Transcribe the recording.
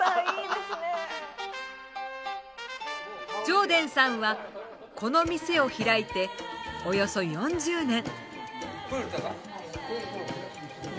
城田さんはこの店を開いておよそ４０年。